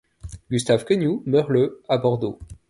Gustave Quenioux meurt le à Bordeaux.